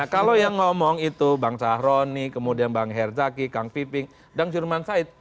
kalau yang ngomong itu bang sahroni kemudian bang herzaki kang viping dan surman said